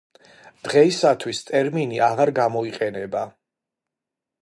დღეისათვის ტერმინი აღარ გამოიყენება.